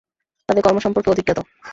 তাদের কর্ম সম্পর্কে অধিক জ্ঞাত।